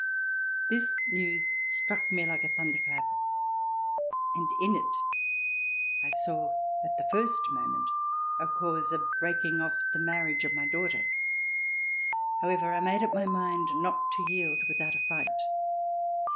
This news struck me like a thunder clap, and in it I saw at the first moment a cause of breaking off the marriage of my daughter. However, I made up my mind not to yield without a fight.